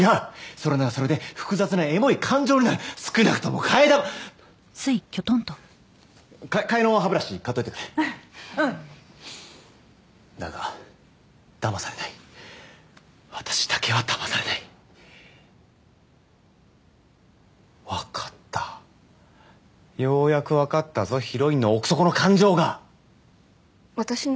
それならそれで複雑なエモい感情になる少なくとも替え玉替えの歯ブラシ買っといてくれうんだがだまされない私だけはだまされないわかったようやくわかったぞヒロインの奥底の感情が私の？